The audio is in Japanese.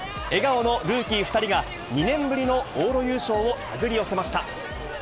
笑顔のルーキー２人が、２年ぶりの往路優勝をたぐり寄せました。